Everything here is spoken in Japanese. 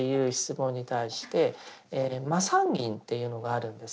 「麻三斤」っていうのがあるんです。